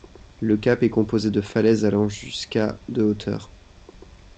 Le cap est composé de falaise allant jusqu'à de hauteur.